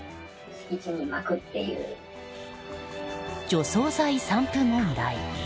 除草剤散布問題。